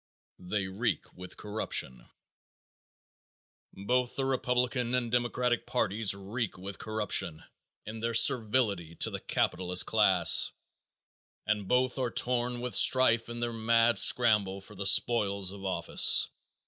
They Reek With Corruption. Both the Republican and Democratic parties reek with corruption in their servility to the capitalist class, and both are torn with strife in their mad scramble for the spoils of office.